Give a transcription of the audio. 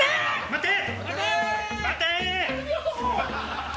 待て！